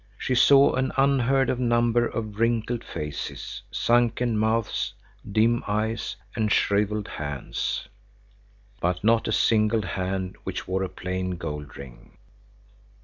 She saw an unheard of number of wrinkled faces, sunken mouths, dim eyes and shrivelled hands, but not a single hand which wore a plain gold ring.